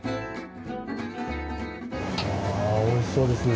あぁ美味しそうですね。